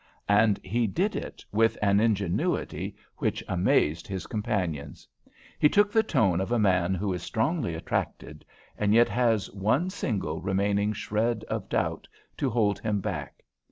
And he did it with an ingenuity which amazed his companions. He took the tone of a man who is strongly attracted, and yet has one single remaining shred of doubt to hold him back.